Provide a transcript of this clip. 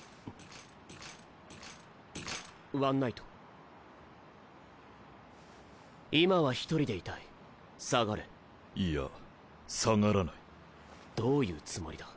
ワンナイト今は１人でいたい下がれいや下がらないどういうつもりだ